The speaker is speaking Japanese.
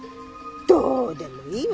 どうでもいいわ。